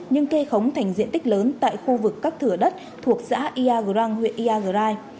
nhưng kê khống thành diện tích lớn tại khu vực các thửa đất thuộc xã iagrang huyện iagrai